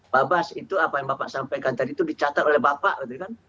pak bas itu apa yang bapak sampaikan tadi itu dicatat oleh bapak gitu kan